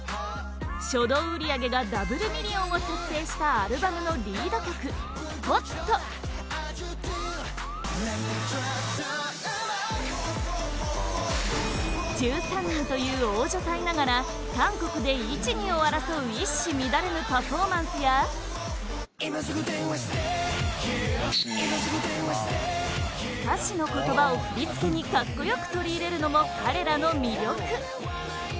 初動売り上げがダブルミリオンを達成したアルバムのリード曲「ＨＯＴ」１３人という大所帯ながら韓国で１、２を争う一糸乱れぬパフォーマンスや歌詞の言葉を、振り付けに格好良く取り入れるのも彼らの魅力